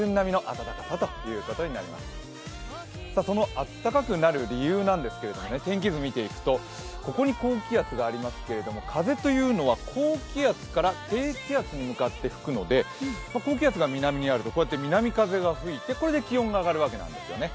あったかくなる理由なんですけれども、天気図見ていくとここに高気圧がありますけども風というのは、高気圧から低気圧に向かって吹くので高気圧が南にあると、こうやって南風が吹いてこれで気温が上がるわけなんですね。